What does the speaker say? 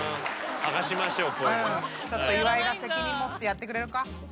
ちょっと岩井が責任持ってやってくれるか。